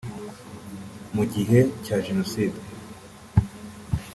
Mu gihe cya Jenoside